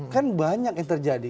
kan banyak yang terjadi